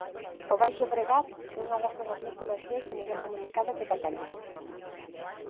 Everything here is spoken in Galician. O Baix Llobregat é unha das zonas máis comerciais e mellor comunicadas de Cataluña.